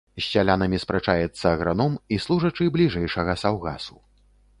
З сялянамі спрачаецца аграном і служачы бліжэйшага саўгасу.